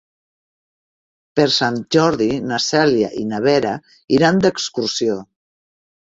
Per Sant Jordi na Cèlia i na Vera iran d'excursió.